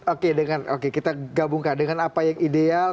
oke dengan oke kita gabungkan dengan apa yang ideal